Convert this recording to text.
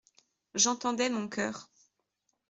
J'entendais mon coeur.